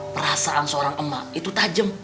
perasaan seorang emak itu tajam